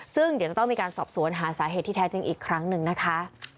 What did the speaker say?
ซึ่งเดี๋ยวจะต้องมีการสอบสวนหาสาเหตุที่แท้จริงอีกครั้งหนึ่งนะคะ